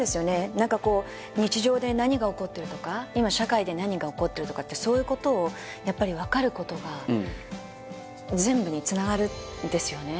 何かこう日常で何が起こってるとか今社会で何が起こってるとかってそういうことをやっぱり分かることが全部につながるんですよね